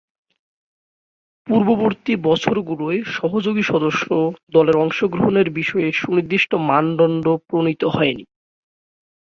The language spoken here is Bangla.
পূর্ববর্তী বছরগুলোয় সহযোগী সদস্য দলের অংশগ্রহণের বিষয়ে সুনির্দিষ্ট মানদণ্ড প্রণীত হয়নি।